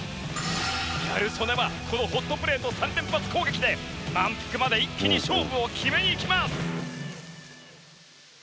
ギャル曽根はこのホットプレート３連発攻撃で満腹まで一気に勝負を決めにいきます！